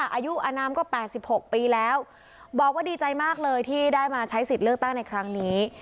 อายุอนามก็๘๖ปีแล้วบอกว่าดีใจมากเลยที่ได้มาใช้สิทธิ์เลือกตั้งในครั้งนี้